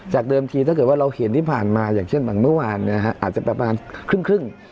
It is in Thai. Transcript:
เดิมทีถ้าเกิดว่าเราเห็นที่ผ่านมาอย่างเช่นบางเมื่อวานอาจจะประมาณครึ่ง